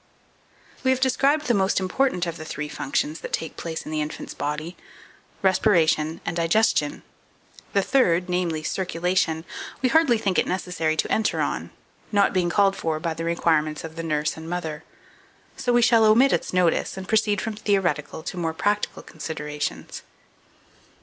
2458. We have described the most important of the three functions that take place in the infant's body respiration and digestion; the third, namely, circulation, we hardly think it necessary to enter on, not being called for by the requirements of the nurse and mother; so we shall omit its notice, and proceed from theoretical to more practical considerations.